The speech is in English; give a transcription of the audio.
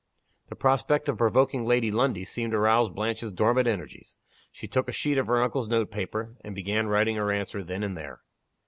The prospect of provoking Lady Lundie seemed to rouse Blanche s dormant energies. She took a sheet of her uncle's note paper, and began writing her answer then and there.